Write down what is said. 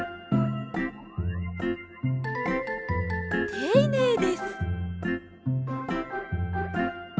ていねいです。